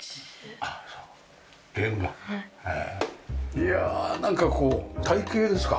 いやなんかこう台形ですか。